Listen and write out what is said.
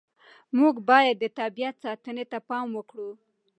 موږ باید د طبیعت ساتنې ته پام وکړو.